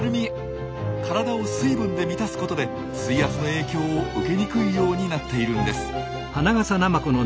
体を水分で満たすことで水圧の影響を受けにくいようになっているんです。